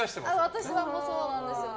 私はそうなんですよね。